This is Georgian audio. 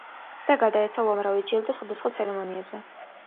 და გადაეცა უამრავი ჯილდო სხვადასხვა ცერემონიებზე.